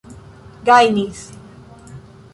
gajnis